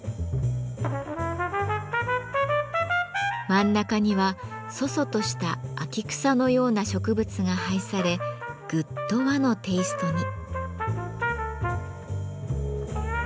真ん中には楚々とした秋草のような植物が配されぐっと和のテイストに。